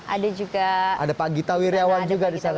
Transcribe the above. ada juga ada pak gita wirjawan juga di sana